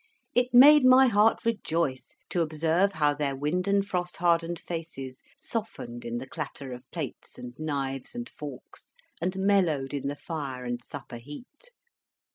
It made my heart rejoice to observe how their wind and frost hardened faces softened in the clatter of plates and knives and forks, and mellowed in the fire and supper heat.